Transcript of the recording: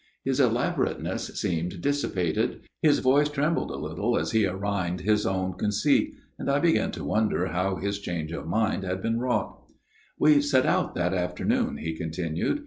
His elaborateness seemed dissipated ; his voice trembled a little as he arraigned his own conceit, and I began to wonder how his change of mind had been wrought. " We set out that afternoon," he continued.